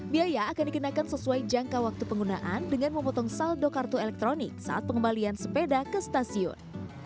biaya akan dikenakan sesuai jangka waktu penggunaan dengan memotong saldo kartu elektronik saat pengembalian sepeda ke stasiun